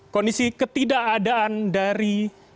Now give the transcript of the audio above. kondisi ketidakadaan dari